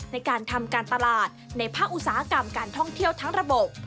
ในการทำการตลาดในภาคอุตสาหกรรมการท่องเที่ยวทั้งระบบ